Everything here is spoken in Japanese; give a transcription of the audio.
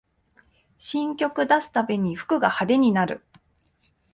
新曲出すたびに服が派手になる